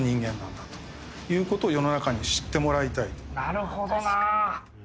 なるほどなあ。